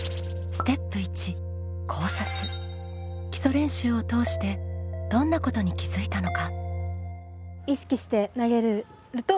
基礎練習を通してどんなことに気づいたのか？